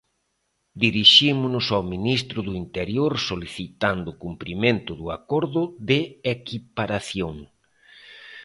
Dirixímonos ao ministro do Interior solicitando o cumprimento do acordo de equiparación.